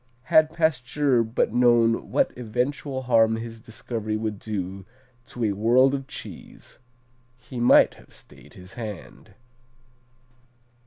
Had Pasteur but known what eventual harm his discovery would do to a world of cheese, he might have stayed his hand.